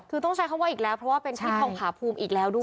คือต้องใช้คำว่าอีกแล้วเพราะว่าเป็นที่ทองผาภูมิอีกแล้วด้วย